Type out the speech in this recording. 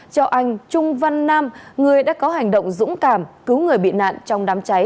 cho anh trung văn nam người đã có hành động dũng cảm cứu người bị nạn trong đám cháy